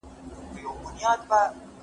ایا مسلکي بزګر خندان پسته پلوري؟